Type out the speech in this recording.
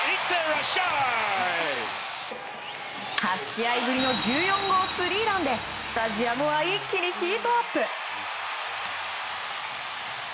８試合ぶりの１４号スリーランでスタジアムは一気にヒートアップ。